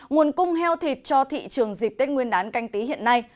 nguồn cung heo thịt cho thị trường dịp tết nguyên đán canh tí hiện nay